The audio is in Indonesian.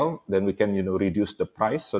kita bisa mengurangkan harganya